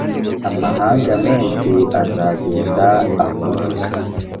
amahanga menshi azagenda avuge